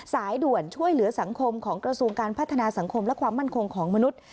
สายด่วนช่วยเหลือสังคมของกระทรวงการพัฒนาสังคมและความมั่นคงของมนุษย์